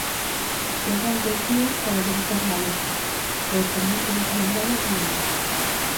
Quedan dez días para debutar na Liga, e o comezo do calendario é duro.